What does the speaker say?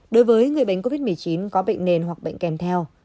đối với người bệnh covid một mươi chín có bệnh nền hoặc bệnh kèm theo